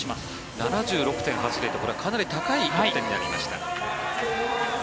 ７６．８０とこれはかなり高い得点になりました。